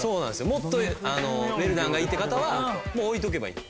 もっとウェルダンがいいって方は置いとけばいい